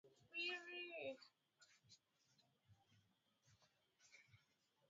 Uwekezaji huo ni kwa ajili ya kuuza uchumi wa ndani na nje ya Zanzibar